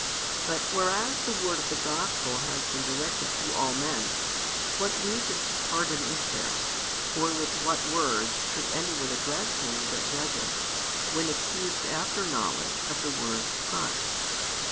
But whereas the word of the Gospel has been directed to all men, what reason for pardon is there, or with what words should any one address Him that judgeth, when accused after |424 knowledge of the worst crimes?